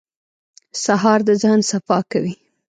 سهار د ذهن صفا کوي.